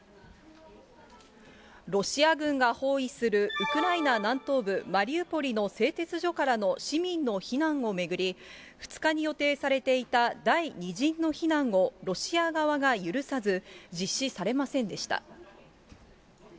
ロシア軍が包囲するウクライナ南東部マリウポリの製鉄所からの市民の避難を巡り、２日に予定されていた第２陣の避難をロシア側が許さず、実施されませんでした。